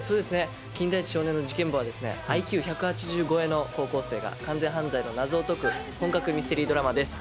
金田一少年の事件簿はですね、ＩＱ１８０超えの高校生が完全犯罪の謎を解く、本格ミステリードラマです。